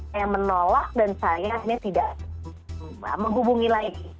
saya menolak dan saya akhirnya tidak menghubungi lagi